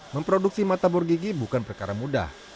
memproduksi matabor gigi bukan perkara mudah